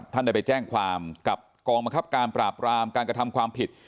ท่านได้ไปแจ้งความกับกองบังคับการปราบรามการกระทำความผิด